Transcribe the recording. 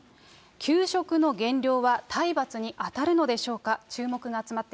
給食の減量は体罰に当たるのでしょうか。